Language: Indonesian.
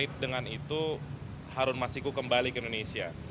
terkait dengan itu harun masiku kembali ke indonesia